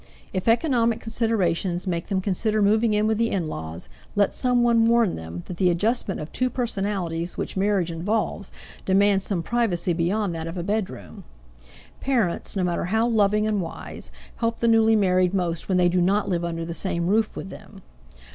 If economic considerations make them consider moving in with the in laws, let some one warn them that the adjustment of two personalities which marriage involves demands some privacy beyond that of a bedroom. Parents, no matter how loving and wise, help the newly married most when they do not live under the same roof with them.